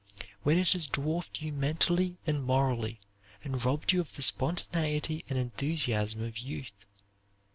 When it has dwarfed you mentally and morally, and robbed you of the spontaneity and enthusiasm of youth.